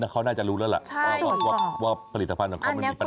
เขาน่าจะรู้แล้วล่ะว่าผลิตภัณฑ์ของเขามันมีปัญหา